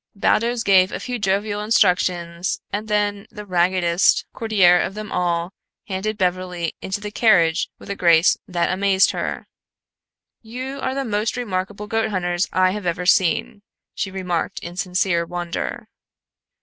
Baldos gave a few jovial instructions, and then the raggedest courtier of them all handed Beverly into the carriage with a grace that amazed her. "You are the most remarkable goat hunters I have ever seen," she remarked in sincere wonder.